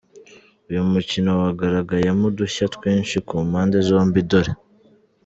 Uyu mukino wagaragayemo udushya twinshi ku mpande zombi dore.